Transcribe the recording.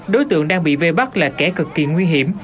đối tượng đang bị vây bắt là kẻ cực kỳ nguy hiểm